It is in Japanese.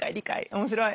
面白い。